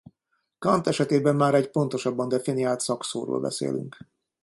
Kant esetében már egy pontosabban definiált szakszóról beszélünk.